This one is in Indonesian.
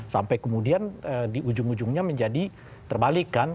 sampai kemudian di ujung ujungnya menjadi terbalik kan